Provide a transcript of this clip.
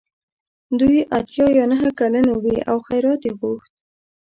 دوی اته یا نهه کلنې وې او خیرات یې غوښت.